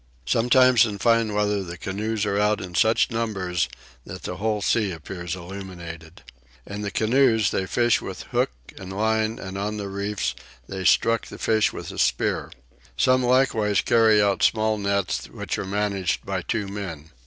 Sometimes in fine weather the canoes are out in such numbers that the whole sea appears illuminated. In the canoes they fish with hook and line and on the reefs they struck the fish with a spear. Some likewise carry out small nets which are managed by two men.